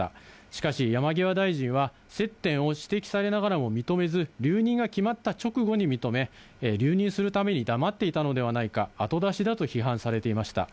しかし、山際大臣は接点を指摘されながらも認めず、留任が決まった直後に認め、留任するために黙っていたのではないか、後出しだと批判されていました。